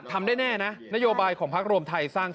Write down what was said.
คั่งสองข้างเลยนะ